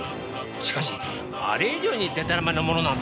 しかしあれ以上にでたらめなものなんて。